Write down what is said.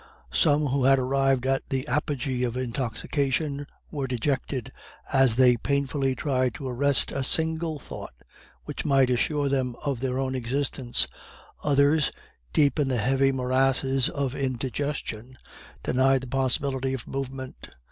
Some who had arrived at the apogee of intoxication were dejected, as they painfully tried to arrest a single thought which might assure them of their own existence; others, deep in the heavy morasses of indigestion, denied the possibility of movement.